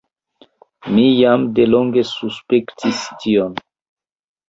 Mi jam delonge suspektis tion.